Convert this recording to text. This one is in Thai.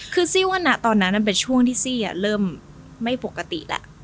คือซี่ว่านะตอนนั้นมันเป็นช่วงที่ซี่เริ่มไม่ปกติแล้ว